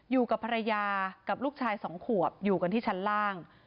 อยู่กับภรรยากับลูกชายสองขวบอยู่กันที่ชั้นล่าง